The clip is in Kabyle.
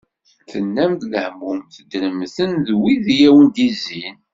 Tennam-d lehmum, teddrem-ten d wid i awen-d-yezzin.